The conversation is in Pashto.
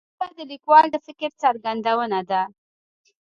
ژبه د لیکوال د فکر څرګندونه ده